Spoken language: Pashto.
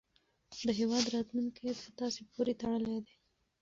د هیواد راتلونکی په تاسې پورې تړلی دی.